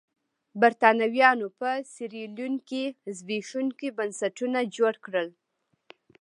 برېټانویانو په سیریلیون کې زبېښونکي بنسټونه جوړ کړل.